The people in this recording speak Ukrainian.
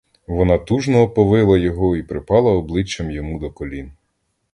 Вона тужно оповила його і припала обличчям йому до колін.